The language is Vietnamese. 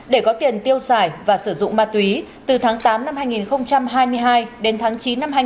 để có tiền tiêu xài và sử dụng ma túy từ tháng tám năm hai nghìn hai mươi hai đến tháng chín